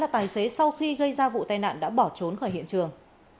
tài xế sau khi gây ra vụ tai nạn đã bỏ trốn khỏi hiện trường